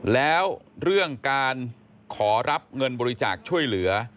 แล้วเรื่องการขอรับเงินบริจาคช่วยเหลือ